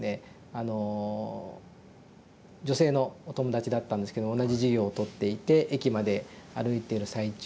あの女性のお友達だったんですけど同じ授業をとっていて駅まで歩いている最中にですね